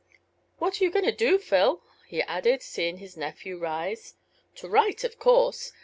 "What are you going to do, Phil?" he added, seeing his nephew rise. "To write, of course.